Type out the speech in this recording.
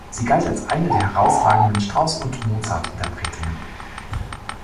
Sie galt als eine der herausragenden Strauss- und Mozart-Interpretinnen.